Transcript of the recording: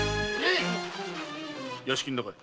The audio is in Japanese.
屋敷の中へ。